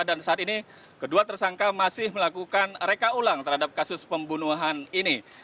dan saat ini kedua tersangka masih melakukan reka ulang terhadap kasus pembunuhan ini